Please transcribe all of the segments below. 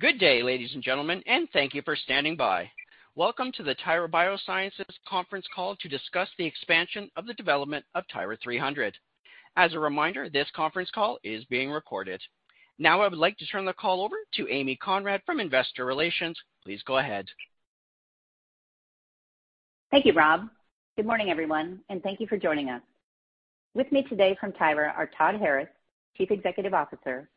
Good day, ladies and gentlemen. Thank you for standing by. Welcome to the Tyra Biosciences conference call to discuss the expansion of the development of TYRA-300. As a reminder, this conference call is being recorded. I would like to turn the call over to Amy Conrad from Investor Relations. Please go ahead. Thank you, Rob. Good morning, everyone, and thank you for joining us. With me today from Tyra are Todd Harris, Chief Executive Officer,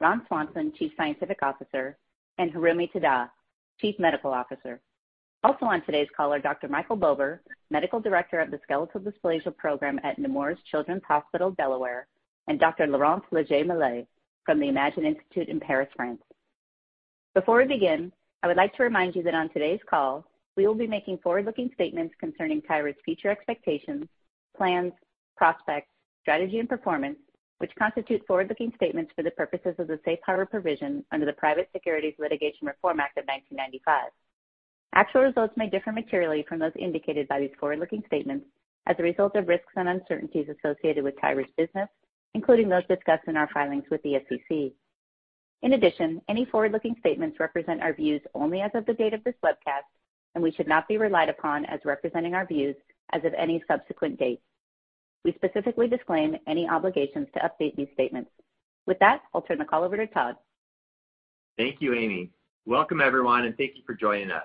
Ron Swanson, Chief Scientific Officer, and Hiroomi Tada, Chief Medical Officer. Also on today's call are Dr. Michael Bober, Medical Director of the Skeletal Dysplasia Program at Nemours Children's Hospital, Delaware, and Dr. Laurence Legeai-Mallet from the Imagine Institute in Paris, France. Before we begin, I would like to remind you that on today's call, we will be making forward-looking statements concerning Tyra's future expectations, plans, prospects, strategy, and performance, which constitute forward-looking statements for the purposes of the safe harbor provision under the Private Securities Litigation Reform Act of 1995. Actual results may differ materially from those indicated by these forward-looking statements as a result of risks and uncertainties associated with Tyra's business, including those discussed in our filings with the SEC. Any forward-looking statements represent our views only as of the date of this webcast, and we should not be relied upon as representing our views as of any subsequent date. We specifically disclaim any obligations to update these statements. I'll turn the call over to Todd. Thank you, Amy. Welcome, everyone, and thank you for joining us.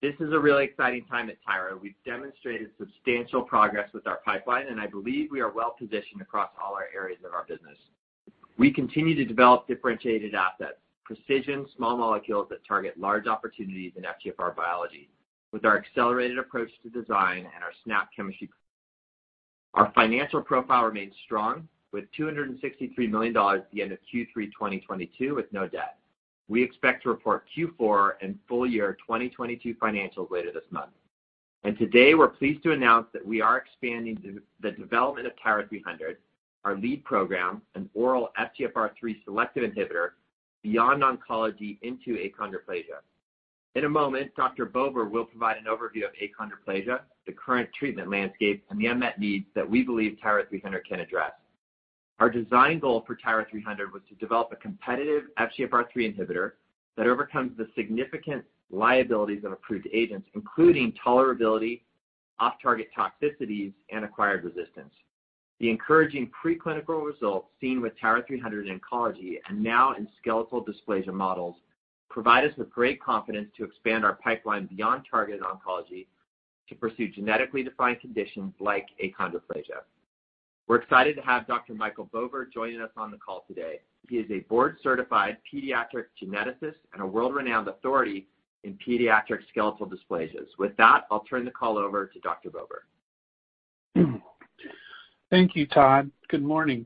This is a really exciting time at Tyra. We've demonstrated substantial progress with our pipeline, and I believe we are well-positioned across all our areas of our business. We continue to develop differentiated assets, precision small molecules that target large opportunities in FGFR biology with our accelerated approach to design and our SNÅP chemistry. Our financial profile remains strong with $263 million at the end of Q3 2022 with no debt. We expect to report Q4 and full year 2022 financials later this month. Today, we're pleased to announce that we are expanding the development of TYRA-300, our lead program, an oral FGFR3 selective inhibitor beyond oncology into achondroplasia. In a moment, Dr. Bober will provide an overview of achondroplasia, the current treatment landscape, and the unmet needs that we believe TYRA-300 can address. Our design goal for TYRA-300 was to develop a competitive FGFR3 inhibitor that overcomes the significant liabilities of approved agents, including tolerability, off-target toxicities, and acquired resistance. The encouraging preclinical results seen with TYRA-300 in oncology and now in skeletal dysplasia models provide us with great confidence to expand our pipeline beyond targeted oncology to pursue genetically defined conditions like achondroplasia. We're excited to have Dr. Michael Bober joining us on the call today. He is a board-certified pediatric geneticist and a world-renowned authority in pediatric skeletal dysplasias. With that, I'll turn the call over to Dr. Bober. Thank you, Todd. Good morning.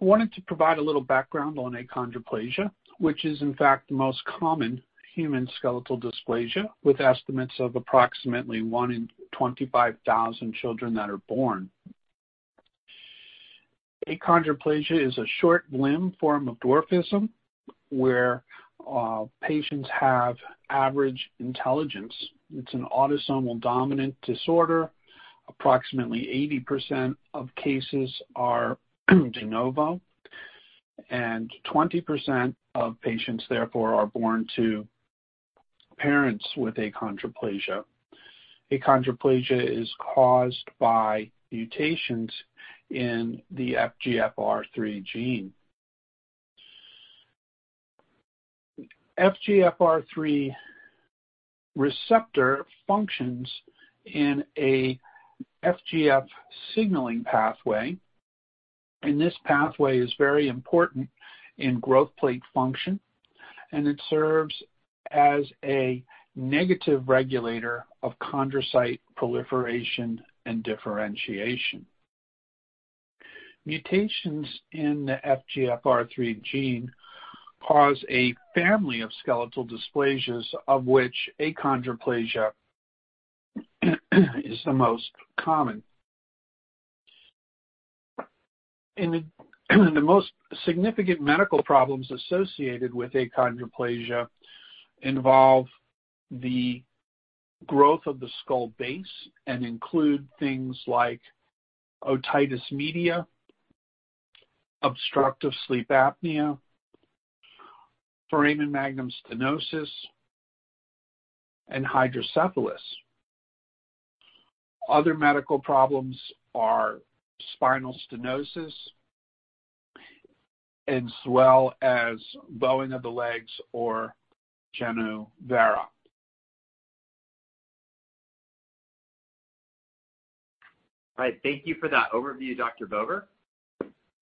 I wanted to provide a little background on achondroplasia, which is in fact the most common human skeletal dysplasia, with estimates of approximately 1 in 25,000 children that are born. Achondroplasia is a short limb form of dwarfism where patients have average intelligence. It's an autosomal dominant disorder. Approximately 80% of cases are de novo, and 20% of patients, therefore, are born to parents with achondroplasia. Achondroplasia is caused by mutations in the FGFR3 gene. FGFR3 receptor functions in a FGF signaling pathway, and this pathway is very important in growth plate function, and it serves as a negative regulator of chondrocyte proliferation and differentiation. Mutations in the FGFR3 gene cause a family of skeletal dysplasias, of which achondroplasia is the most common. The most significant medical problems associated with achondroplasia involve the growth of the skull base and include things like otitis media, obstructive sleep apnea, foramen magnum stenosis, and hydrocephalus. Other medical problems are spinal stenosis as well as bowing of the legs or genu vara. All right. Thank you for that overview, Dr. Bober.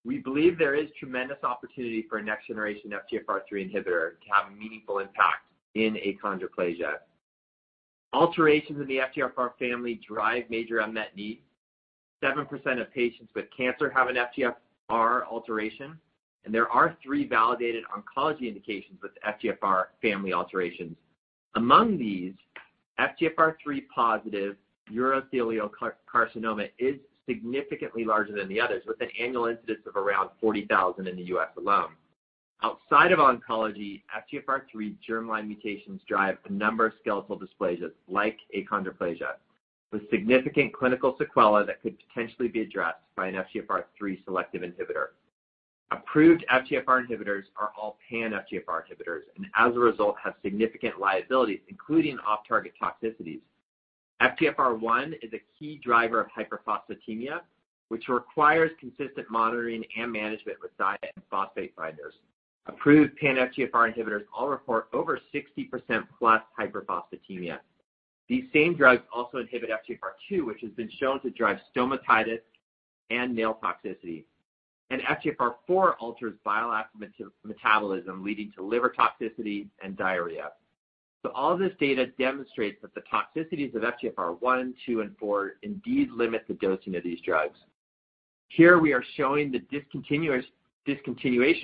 We believe there is tremendous opportunity for a next-generation FGFR3 inhibitor to have a meaningful impact in achondroplasia. Alterations in the FGFR family drive major unmet needs. 7% of patients with cancer have an FGFR alteration, and there are three validated oncology indications with FGFR family alterations. Among these, FGFR3-positive urothelial carcinoma is significantly larger than the others, with an annual incidence of around 40,000 in the U.S. alone. Outside of oncology, FGFR3 germline mutations drive a number of skeletal dysplasias like achondroplasia. With significant clinical sequelae that could potentially be addressed by an FGFR3 selective inhibitor. Approved FGFR inhibitors are all pan FGFR inhibitors, and as a result have significant liabilities, including off-target toxicities. FGFR1 is a key driver of hyperphosphatemia, which requires consistent monitoring and management with diet and phosphate binders. Approved pan-FGFR inhibitors all report over 60%+ hyperphosphatemia. These same drugs also inhibit FGFR2, which has been shown to drive stomatitis and nail toxicity. FGFR4 alters bile acid metabolism, leading to liver toxicity and diarrhea. All this data demonstrates that the toxicities of FGFR1, 2, and 4 indeed limit the dosing of these drugs. Here we are showing the discontinuation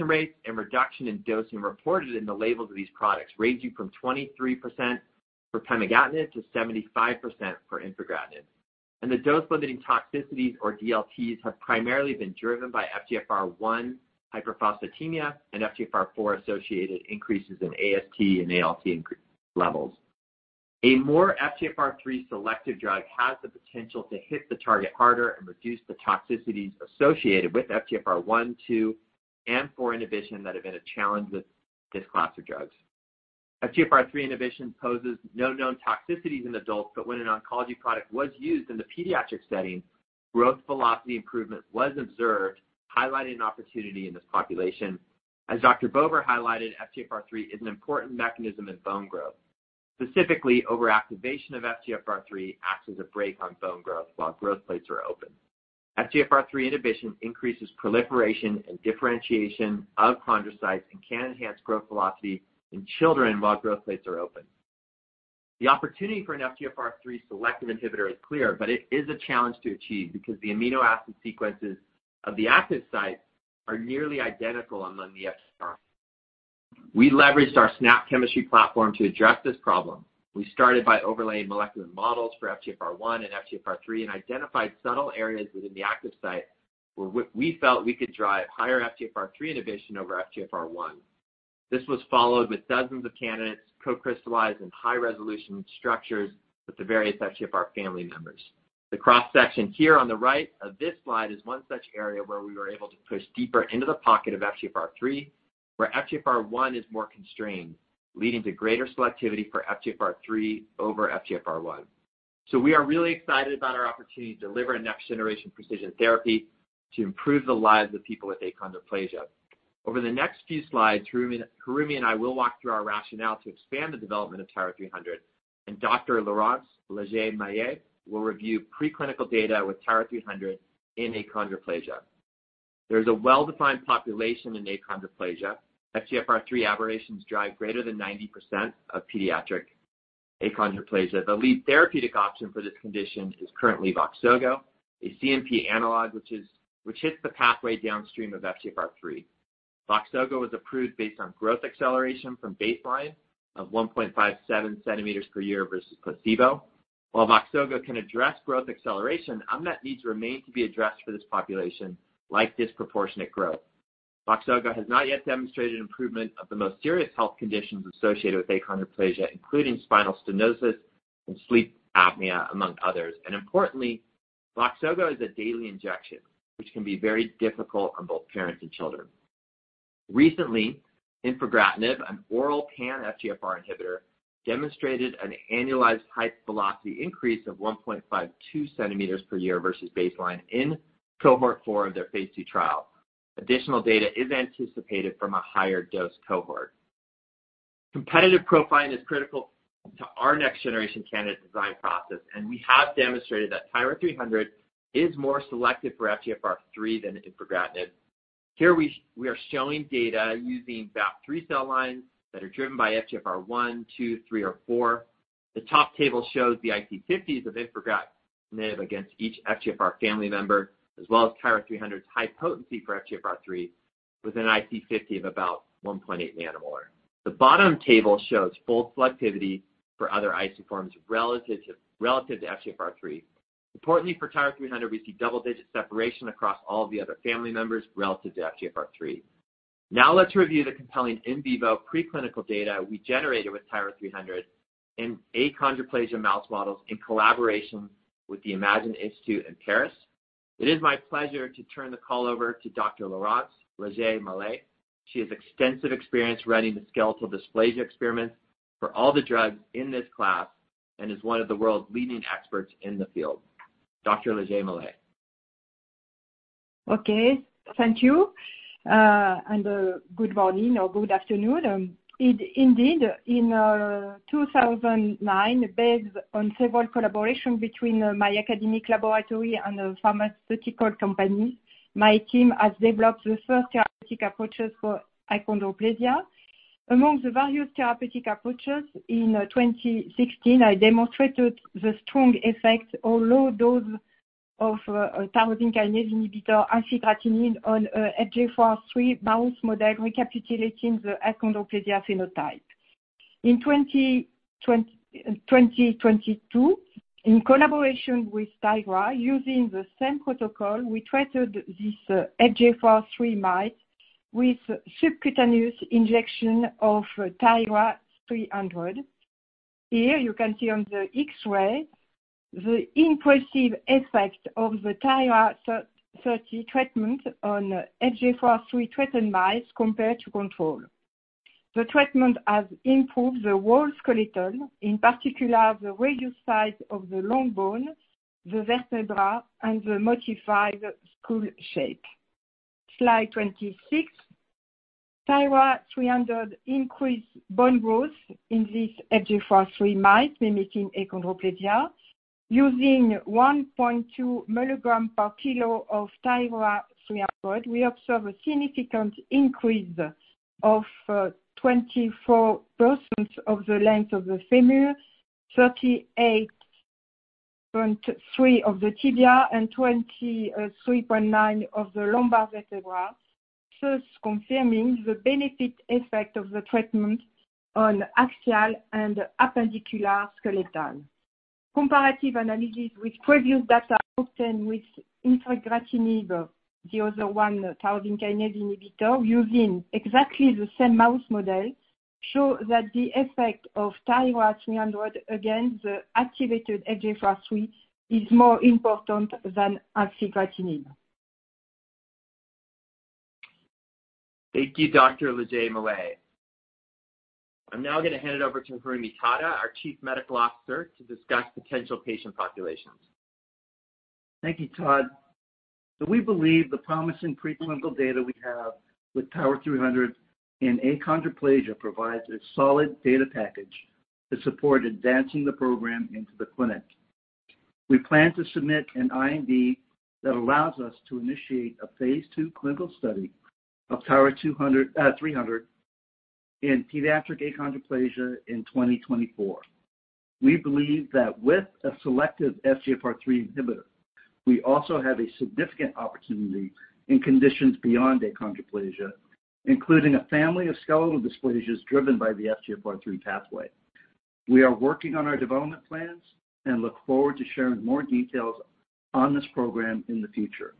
rates and reduction in dosing reported in the labels of these products, ranging from 23% for pemigatinib to 75% for infigratinib. The dose-limiting toxicities, or DLTs, have primarily been driven by FGFR1 hyperphosphatemia and FGFR4-associated increases in AST and ALT levels. A more FGFR3 selective drug has the potential to hit the target harder and reduce the toxicities associated with FGFR1, 2, and 4 inhibition that have been a challenge with this class of drugs. FGFR3 inhibition poses no known toxicities in adults, but when an oncology product was used in the pediatric setting, growth velocity improvement was observed, highlighting an opportunity in this population. As Dr. Bober highlighted, FGFR3 is an important mechanism in bone growth. Specifically, overactivation of FGFR3 acts as a brake on bone growth while growth plates are open. FGFR3 inhibition increases proliferation and differentiation of chondrocytes and can enhance growth velocity in children while growth plates are open. The opportunity for an FGFR3 selective inhibitor is clear, but it is a challenge to achieve because the amino acid sequences of the active sites are nearly identical among the FGFR. We leveraged our SNÅP chemistry platform to address this problem. We started by overlaying molecular models for FGFR1 and FGFR3 and identified subtle areas within the active site where we felt we could drive higher FGFR3 inhibition over FGFR1. This was followed with dozens of candidates co-crystallized in high-resolution structures with the various FGFR family members. The cross-section here on the right of this slide is one such area where we were able to push deeper into the pocket of FGFR3, where FGFR1 is more constrained, leading to greater selectivity for FGFR3 over FGFR1. We are really excited about our opportunity to deliver a next-generation precision therapy to improve the lives of people with achondroplasia. Over the next few slides, Hiroomi and I will walk through our rationale to expand the development of TYRA-300, and Dr. Laurence Legeai-Mallet will review preclinical data with TYRA-300 in achondroplasia. There is a well-defined population in achondroplasia. FGFR3 aberrations drive greater than 90% of pediatric achondroplasia. The lead therapeutic option for this condition is currently VOXZOGO, a CNP analog, which hits the pathway downstream of FGFR3. VOXZOGO was approved based on growth acceleration from baseline of 1.57 cm per year versus placebo. While VOXZOGO can address growth acceleration, unmet needs remain to be addressed for this population, like disproportionate growth. VOXZOGO has not yet demonstrated improvement of the most serious health conditions associated with achondroplasia, including spinal stenosis and sleep apnea, among others. Importantly, VOXZOGO is a daily injection, which can be very difficult on both parents and children. Recently, infigratinib, an oral pan FGFR inhibitor, demonstrated an annualized height velocity increase of 1.52 cm per year versus baseline in cohort 4 of their phase II trial. Additional data is anticipated from a higher dose cohort. Competitive profiling is critical to our next-generation candidate design process. We have demonstrated that TYRA-300 is more selective for FGFR3 than infigratinib. Here we are showing data using Ba/F3 cell lines that are driven by FGFR1, 2, 3, or 4. The top table shows the IC50s of infigratinib against each FGFR family member, as well as TYRA-300's high potency for FGFR3 with an IC50 of about 1.8 nanomolar. The bottom table shows full selectivity for other isoforms relative to FGFR3. Importantly, for TYRA-300, we see double-digit separation across all the other family members relative to FGFR3. Let's review the compelling in vivo preclinical data we generated with TYRA-300 in achondroplasia mouse models in collaboration with the Imagine Institute in Paris. It is my pleasure to turn the call over to Dr. Laurence Legeai-Mallet. She has extensive experience running the skeletal dysplasia experiments for all the drugs in this class and is one of the world's leading experts in the field. Legeai-Mallet. Okay. Thank you. Good morning or good afternoon. Indeed, in 2009, based on several collaboration between my academic laboratory and a pharmaceutical company, my team has developed the first therapeutic approaches for achondroplasia. Among the various therapeutic approaches, in 2016 I demonstrated the strong effect on low dose of tyrosine kinase inhibitor, infigratinib on FGFR3 mouse model recapitulating the achondroplasia phenotype. In 2022, in collaboration with Tyra, using the same protocol, we treated this FGFR3 mice with subcutaneous injection of TYRA-300. Here you can see on the X-ray the impressive effect of the TYRA-300 treatment on FGFR3 treated mice compared to control. The treatment has improved the whole skeleton, in particular the radius size of the long bone, the vertebra, and the modified skull shape. Slide 26. TYRA-300 increased bone growth in these FGFR3 mice limiting achondroplasia. Using 1.2 mg per kilo of TYRA-300, we observe a significant increase of 24% of the length of the femur, 38.3% of the tibia, and 23.9% of the lumbar vertebra, thus confirming the benefit effect of the treatment on axial and appendicular skeleton. Comparative analysis with previous data obtained with infigratinib, the other 1,000 kinase inhibitor, using exactly the same mouse model, show that the effect of TYRA-300 against the activated FGFR3 is more important than infigratinib. Thank you, Dr. Legeai-Mallet. I'm now gonna hand it over to Hiroomi Tada, our Chief Medical Officer, to discuss potential patient populations. Thank you, Todd. We believe the promising preclinical data we have with TYRA-300 in achondroplasia provides a solid data package to support advancing the program into the clinic. We plan to submit an IND that allows us to initiate a phase II clinical study of TYRA-300 in pediatric achondroplasia in 2024. We believe that with a selective FGFR3 inhibitor, we also have a significant opportunity in conditions beyond achondroplasia, including a family of skeletal dysplasias driven by the FGFR3 pathway. We are working on our development plans and look forward to sharing more details on this program in the future.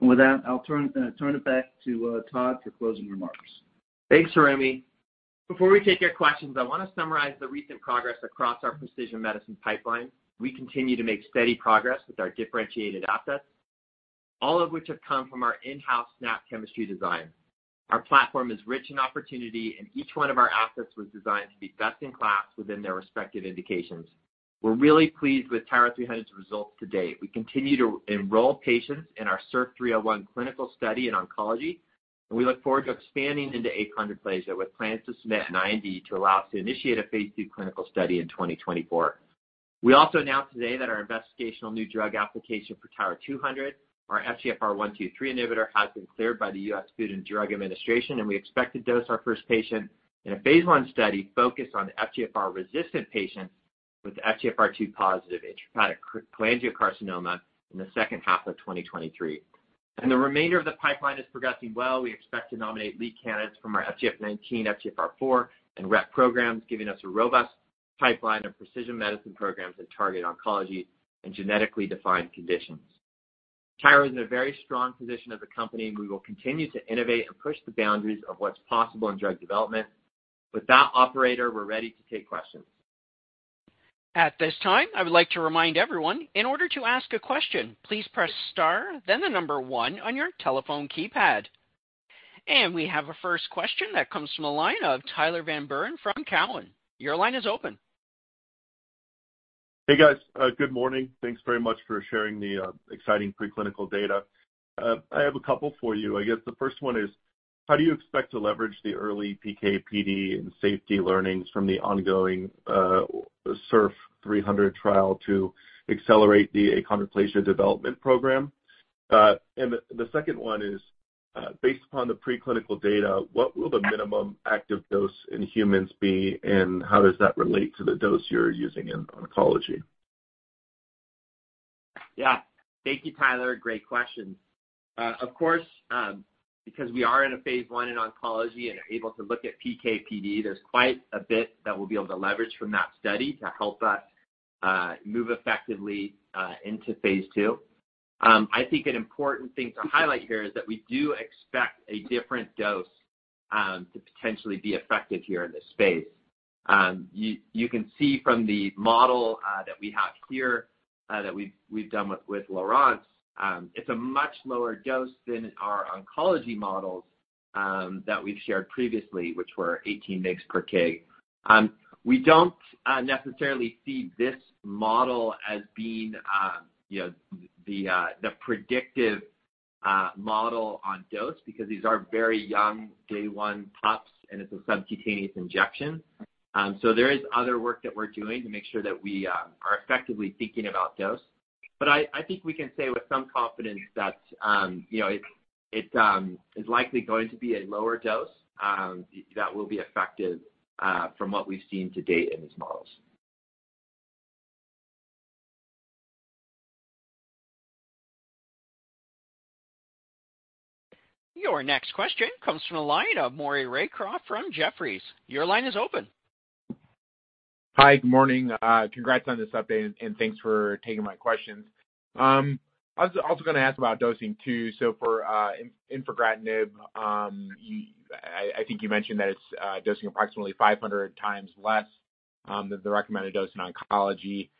With that, I'll turn it back to Todd for closing remarks. Thanks, Hiroomi. Before we take your questions, I want to summarize the recent progress across our precision medicine pipeline. We continue to make steady progress with our differentiated assets, all of which have come from our in-house SNÅP chemistry design. Our platform is rich in opportunity. Each one of our assets was designed to be best in class within their respective indications. We're really pleased with TYRA-300's results to date. We continue to enroll patients in our SURF301 clinical study in oncology. We look forward to expanding into achondroplasia with plans to submit an IND to allow us to initiate a phase II clinical study in 2024. We also announced today that our investigational new drug application for TYRA-200, our FGFR1, 2, 3 inhibitor, has been cleared by the U.S. Food and Drug Administration, we expect to dose our first patient in a phase I study focused on FGFR-resistant patients with FGFR2-positive intrahepatic cholangiocarcinoma in the second half of 2023. The remainder of the pipeline is progressing well. We expect to nominate lead candidates from our FGF19, FGFR4, and RET programs, giving us a robust pipeline of precision medicine programs that target oncology in genetically defined conditions. Tyra is in a very strong position as a company, we will continue to innovate and push the boundaries of what's possible in drug development. With that operator, we're ready to take questions. At this time, I would like to remind everyone, in order to ask a question, please press star then the number one on your telephone keypad. We have a first question that comes from the line of Tyler Van Buren from Cowen. Your line is open. Hey, guys. Good morning. Thanks very much for sharing the exciting preclinical data. I have a couple for you. I guess the first one is: How do you expect to leverage the early PK/PD and safety learnings from the ongoing SURF301 trial to accelerate the achondroplasia development program? The second one is, based upon the preclinical data, what will the minimum active dose in humans be, and how does that relate to the dose you're using in oncology? Thank you, Tyler. Great questions. Of course, because we are in a phase I in oncology and are able to look at PK/PD, there's quite a bit that we'll be able to leverage from that study to help us move effectively into phase II. I think an important thing to highlight here is that we do expect a different dose to potentially be effective here in this space. You can see from the model that we have here that we've done with Laurence, it's a much lower dose than our oncology models that we've shared previously, which were 18 mg per kilo. We don't necessarily see this model as being, you know, the predictive model on dose because these are very young day one pups, and it's a subcutaneous injection. There is other work that we're doing to make sure that we are effectively thinking about dose. I think we can say with some confidence that, you know, it is likely going to be a lower dose that will be effective from what we've seen to date in these models. Your next question comes from the line of Maury Raycroft from Jefferies. Your line is open. Hi, good morning. Congrats on this update and thanks for taking my questions. I was also gonna ask about dosing too. For infigratinib, I think you mentioned that it's dosing approximately 500 times less than the recommended dose in oncology.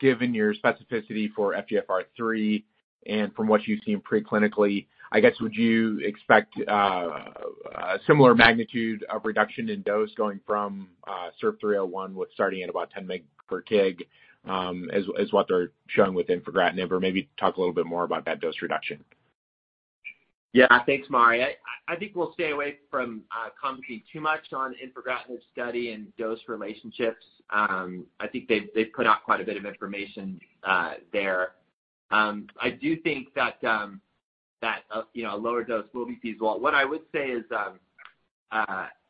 Given your specificity for FGFR3 and from what you've seen pre-clinically, I guess would you expect a similar magnitude of reduction in dose going from SURF301 with starting at about 10 mg per kg as what they're showing with infigratinib? Or maybe talk a little bit more about that dose reduction. Thanks, Maury. I think we'll stay away from commenting too much on infigratinib study and dose relationships. I think they've put out quite a bit of information there. I do think that a, you know, a lower dose will be feasible. What I would say is,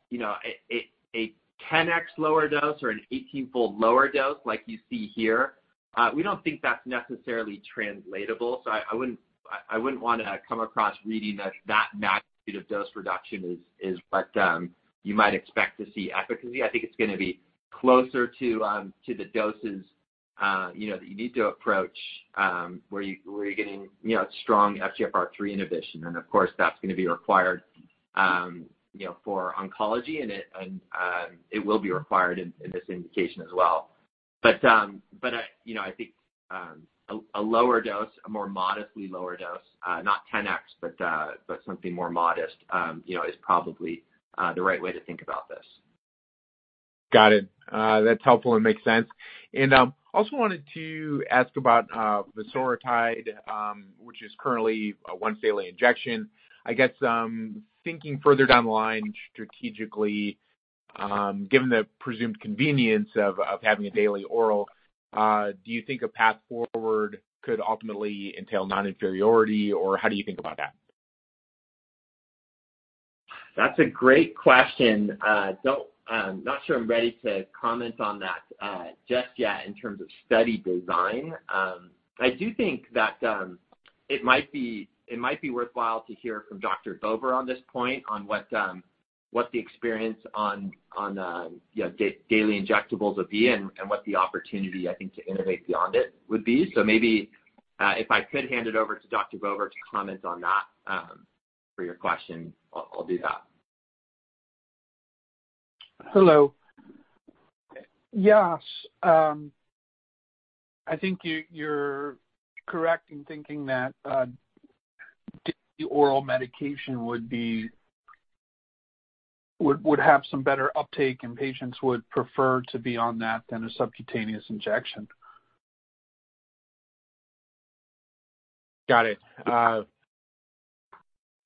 you know, a 10x lower dose or an 18-fold lower dose like you see here, we don't think that's necessarily translatable. I wouldn't, I wouldn't wanna come across reading that that magnitude of dose reduction is what you might expect to see efficacy. I think it's gonna be closer to the doses, you know, that you need to approach where you, where you're getting, you know, strong FGFR3 inhibition. Of course, that's gonna be required, you know, for oncology and it will be required in this indication as well. You know, I think, a lower dose, a more modestly lower dose, not 10x, but something more modest, you know, is probably the right way to think about this. Got it. That's helpful and makes sense. Also wanted to ask about vosoritide, which is currently a once daily injection. I guess, thinking further down the line strategically, given the presumed convenience of having a daily oral, do you think a path forward could ultimately entail non-inferiority or how do you think about that? That's a great question. I'm not sure I'm ready to comment on that just yet in terms of study design. I do think that it might be worthwhile to hear from Dr. Bober on this point on what the experience on, you know, daily injectables would be and what the opportunity I think to innovate beyond it would be. Maybe, if I could hand it over to Dr. Bober to comment on that, for your question, I'll do that. Hello. Yes, I think you're correct in thinking that the oral medication would have some better uptake and patients would prefer to be on that than a subcutaneous injection. Got it.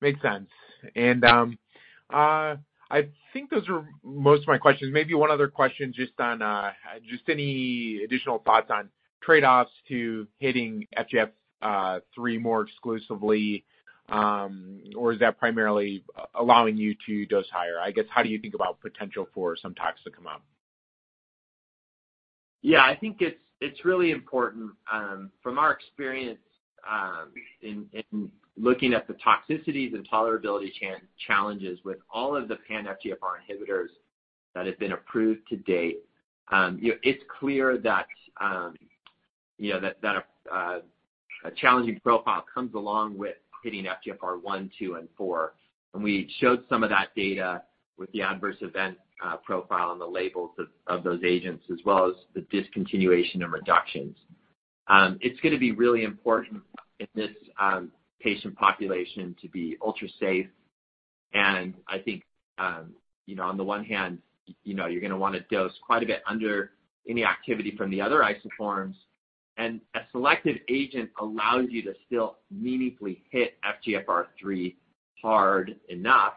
makes sense. I think those are most of my questions. Maybe one other question just on, just any additional thoughts on trade-offs to hitting FGFR3 more exclusively, or is that primarily allowing you to dose higher? I guess how do you think about potential for some toxic amount? Yeah. I think it's really important, from our experience, in looking at the toxicities and tolerability challenges with all of the pan-FGFR inhibitors that have been approved to date, you know, it's clear that, you know, that a challenging profile comes along with hitting FGFR1, FGFR2, and FGFR4. We showed some of that data with the adverse event profile and the labels of those agents as well as the discontinuation and reductions. It's gonna be really important in this patient population to be ultra-safe. I think, you know, on the one hand, you know, you're gonna wanna dose quite a bit under any activity from the other isoforms. A selective agent allows you to still meaningfully hit FGFR3 hard enough,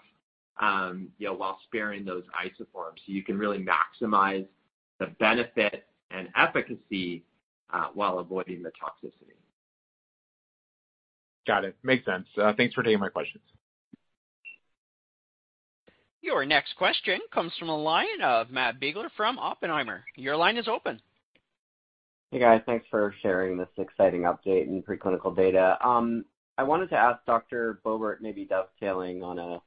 you know, while sparing those isoforms. You can really maximize the benefit and efficacy, while avoiding the toxicity. Got it. Makes sense. Thanks for taking my questions. Your next question comes from the line of Matthew Biegler from Oppenheimer. Your line is open. Hey, guys. Thanks for sharing this exciting update in preclinical data. I wanted to ask Dr. Bober maybe dovetailing on a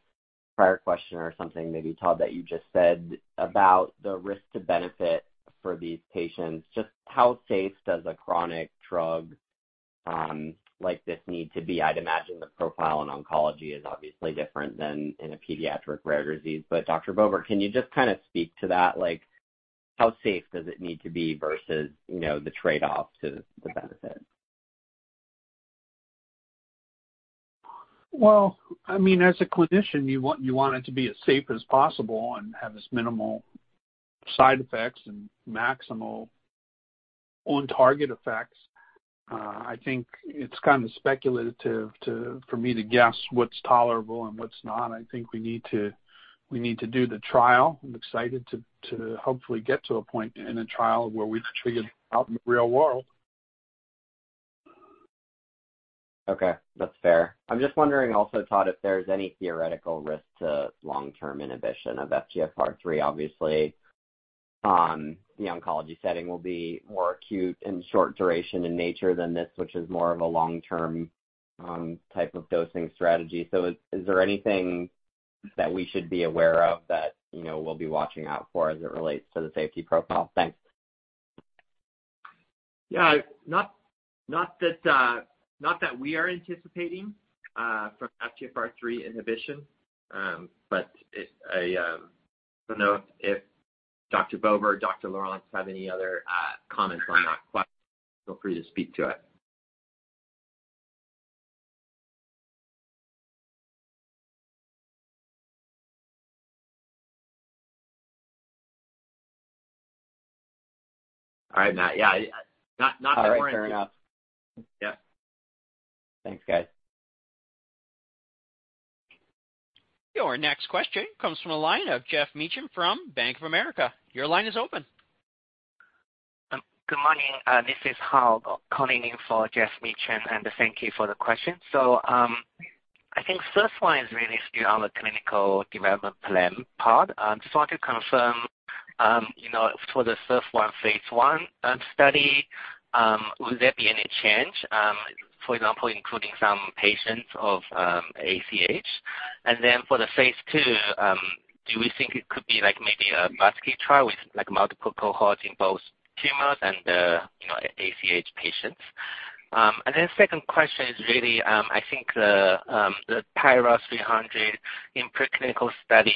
prior question or something maybe, Todd, that you just said about the risk to benefit for these patients. Just how safe does a chronic drug, like this need to be? I'd imagine the profile in oncology is obviously different than in a pediatric rare disease. Dr. Bober, can you just kinda speak to that? Like how safe does it need to be versus, you know, the trade-off to the benefit? Well, I mean, as a clinician you want it to be as safe as possible and have as minimal side effects and maximal on target effects. I think it's kinda speculative for me to guess what's tolerable and what's not. I think we need to do the trial. I'm excited to hopefully get to a point in a trial where we can figure out in the real world. Okay. That's fair. I'm just wondering also, Todd, if there's any theoretical risk to long-term inhibition of FGFR3. Obviously, the oncology setting will be more acute and short duration in nature than this, which is more of a long-term, type of dosing strategy. Is there anything that we should be aware of that, you know, we'll be watching out for as it relates to the safety profile? Thanks. Yeah. Not that we are anticipating from FGFR3 inhibition. It's a. I don't know if Dr. Bober or Dr. Laurence have any other comments on that question. Feel free to speak to it. All right, Matt. Yeah. Not that we're aware of. All right. Fair enough. Yeah. Thanks, guys. Your next question comes from the line of Geoff Meacham from Bank of America. Your line is open. Good morning. This is Hal calling in for Geoff Meacham, and thank you for the question. I think first one is really on the clinical development plan part. Just want to confirm, you know, for the first one phase I study, will there be any change, for example, including some patients of ACH? And then for the phase II, do we think it could be like maybe a basket trial with like multiple cohorts in both tumors and the, you know, ACH patients? And then second question is really, I think the TYRA-300 in preclinical study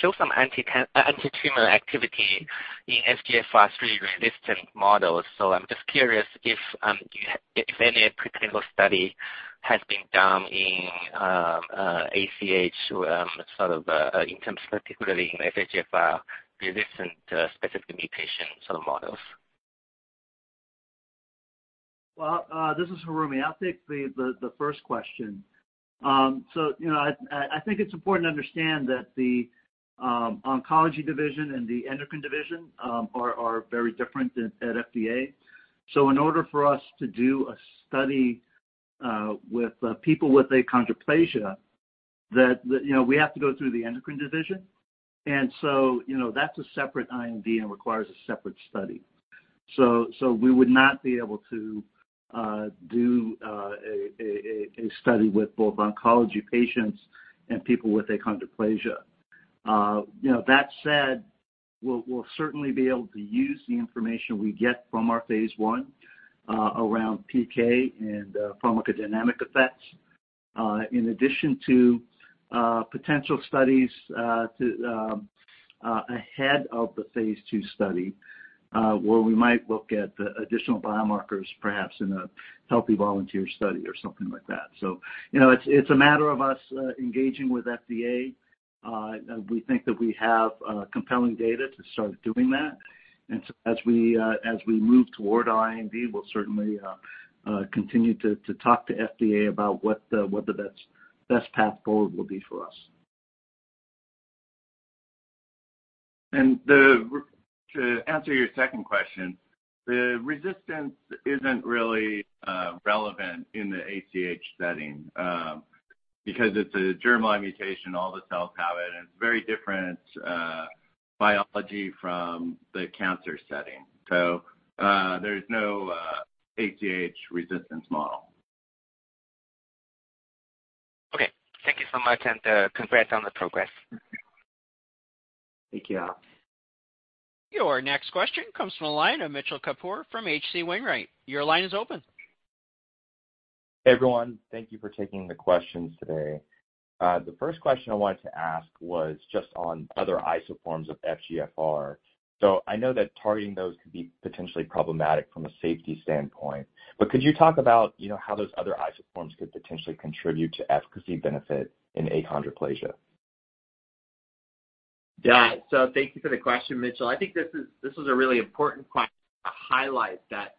show some antitumor activity in FGFR3-resistant models. I'm just curious if you have, if any preclinical study has been done in ACH, sort of, in terms particularly in FGFR-resistant, specific mutation sort of models. Well, this is Hiroomi. I'll take the first question. You know, I think it's important to understand that the oncology division and the endocrine division are very different at FDA. In order for us to do a study with people with achondroplasia that, you know, we have to go through the endocrine division. You know, that's a separate IND and requires a separate study. We would not be able to do a study with both oncology patients and people with achondroplasia. You know, that said, we'll certainly be able to use the information we get from our phase I around PK and pharmacodynamic effects, in addition to potential studies to ahead of the phase II study, where we might look at the additional biomarkers perhaps in a healthy volunteer study or something like that. you know, it's a matter of us engaging with FDA. We think that we have compelling data to start doing that. as we move toward our IND, we'll certainly continue to talk to FDA about what the best path forward will be for us. To answer your second question, the resistance isn't really relevant in the ACH setting, because it's a germline mutation, all the cells have it, and it's very different biology from the cancer setting. There's no ACH resistance model. Okay. Thank you so much, and congrats on the progress. Thank you. Your next question comes from the line of Mitchell Kapoor from H.C. Wainwright. Your line is open. Hey, everyone. Thank you for taking the questions today. The first question I wanted to ask was just on other isoforms of FGFR. I know that targeting those could be potentially problematic from a safety standpoint. Could you talk about, you know, how those other isoforms could potentially contribute to efficacy benefit in achondroplasia? Yeah. Thank you for the question, Mitchell. I think this is a really important question to highlight that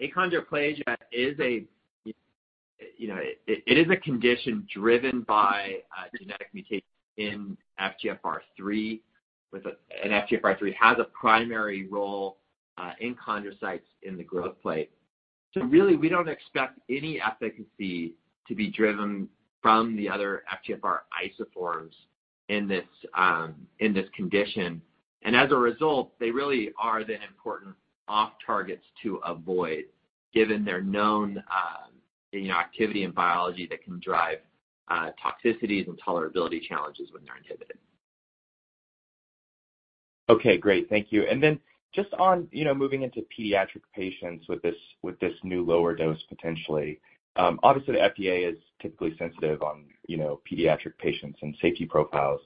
achondroplasia is, you know, it is a condition driven by a genetic mutation in FGFR3. FGFR3 has a primary role in chondrocytes in the growth plate. Really, we don't expect any efficacy to be driven from the other FGFR isoforms in this condition. As a result, they really are the important off targets to avoid, given their known, you know, activity and biology that can drive toxicities and tolerability challenges when they're inhibited. Okay, great. Thank you. Then just on, you know, moving into pediatric patients with this, with this new lower dose potentially, obviously, the FDA is typically sensitive on, you know, pediatric patients and safety profiles.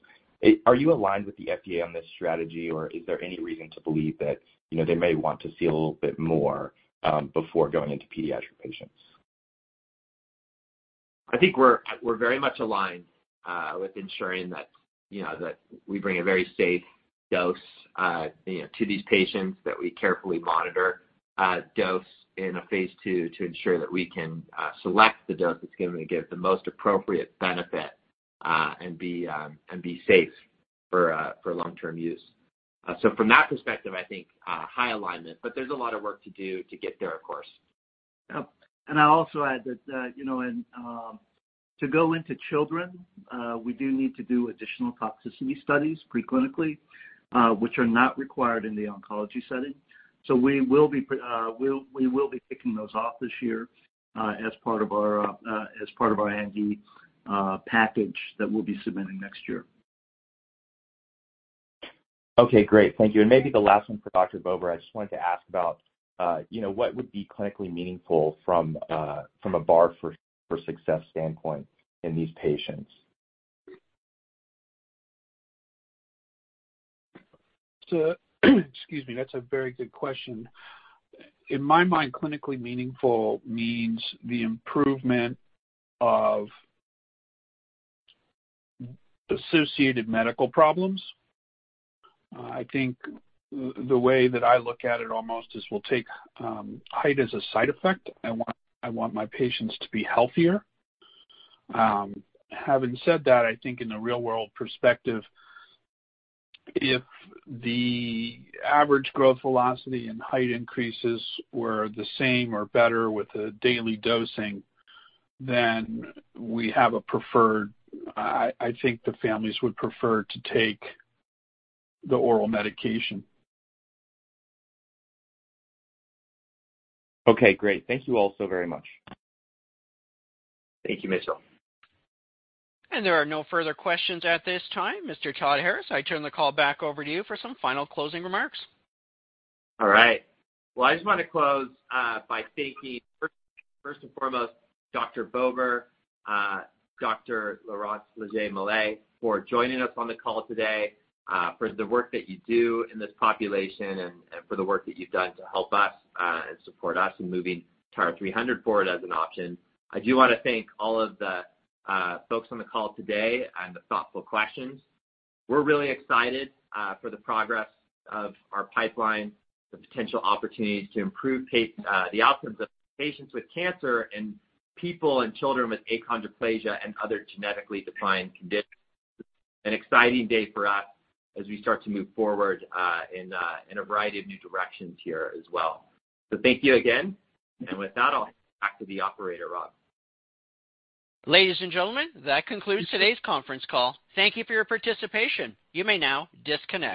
Are you aligned with the FDA on this strategy, or is there any reason to believe that, you know, they may want to see a little bit more, before going into pediatric patients? I think we're very much aligned with ensuring that, you know, that we bring a very safe dose, you know, to these patients, that we carefully monitor dose in a phase II to ensure that we can select the dose that's gonna give the most appropriate benefit and be safe for long-term use. From that perspective, I think high alignment, but there's a lot of work to do to get there, of course. Yep. I also add that, you know, to go into children, we do need to do additional toxicity studies pre-clinically, which are not required in the oncology setting. We will be kicking those off this year, as part of our IND package that we'll be submitting next year. Okay, great. Thank you. Maybe the last one for Dr. Bober. I just wanted to ask about, you know, what would be clinically meaningful from a bar for success standpoint in these patients? Excuse me. That's a very good question. In my mind, clinically meaningful means the improvement of associated medical problems. I think the way that I look at it almost is we'll take height as a side effect. I want my patients to be healthier. Having said that, I think in the real world perspective, if the average growth velocity and height increases were the same or better with the daily dosing, then we have a preferred. I think the families would prefer to take the oral medication. Okay, great. Thank you all so very much. Thank you, Mitchell. There are no further questions at this time. Mr. Todd Harris, I turn the call back over to you for some final closing remarks. All right. Well, I just wanna close by thanking, first and foremost, Dr. Bober, Dr. Laurence Legeai-Mallet for joining us on the call today, for the work that you do in this population and for the work that you've done to help us and support us in moving TYRA-300 forward as an option. I do wanna thank all of the folks on the call today and the thoughtful questions. We're really excited for the progress of our pipeline, the potential opportunities to improve the outcomes of patients with cancer and people and children with achondroplasia and other genetically defined conditions. An exciting day for us as we start to move forward in a variety of new directions here as well. Thank you again. With that, I'll pass it back to the operator, Rob. Ladies and gentlemen, that concludes today's conference call. Thank you for your participation. You may now disconnect.